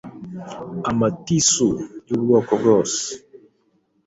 Amatissu y’ubwoko bwose